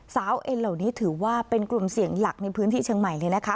เอ็นเหล่านี้ถือว่าเป็นกลุ่มเสี่ยงหลักในพื้นที่เชียงใหม่เลยนะคะ